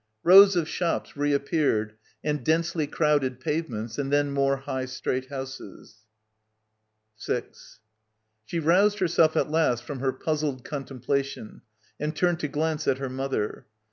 Rows of shops reappeared and densely crowded pavements, and then more high straight houses. She roused herself at last from her puzzled contemplation and turned to glance at her mother.